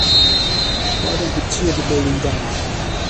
why don't we tear the building down?